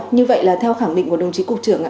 như vậy là theo khẳng định của đồng chí cục trưởng ạ